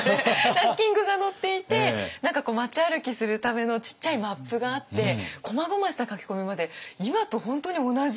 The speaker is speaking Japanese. ランキングが載っていて何か街歩きするためのちっちゃいマップがあってこまごました書き込みまで今と本当に同じ。